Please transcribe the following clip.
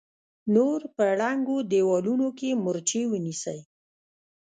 نور په ړنګو دېوالونو کې مورچې ونيسئ!